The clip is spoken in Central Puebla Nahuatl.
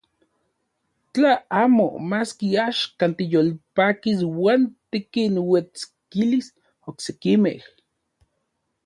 Tla amo, maski axkan tiyolpakis uan tikinuetskilis oksekimej.